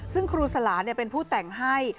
ซึ่งครูสลาเป็นผู้แต่งให้